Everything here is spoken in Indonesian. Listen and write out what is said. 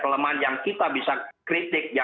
kelemahan yang kita bisa kritik